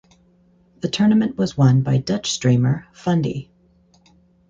The tournament was won by Dutch streamer Fundy.